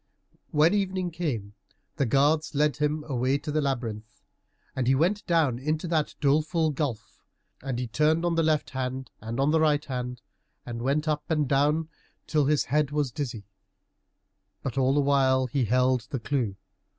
When evening came the guards led him away to the labyrinth. And he went down into that doleful gulf, and he turned on the left hand and on the right hand, and went up and down till his head was dizzy, but all the while he held the clue.